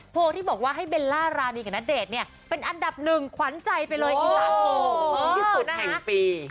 โพลที่บอกว่าให้เบลล่ารานีกับณเดชน์เนี่ยเป็นอันดับหนึ่งขวัญใจไปเลยอีสานโพล